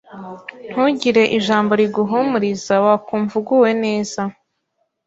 ntugire ijambo riguhumuriza wakumva uguwe neza